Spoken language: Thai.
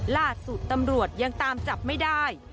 ล่าสุดตำรวจยังตามจับไม่ได้